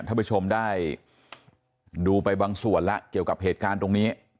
ท่านผู้ชมได้ดูไปบางส่วนแล้วเกี่ยวกับเหตุการณ์ตรงนี้